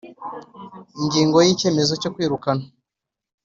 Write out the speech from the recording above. Ingingo yicyemezo cyo kwirukana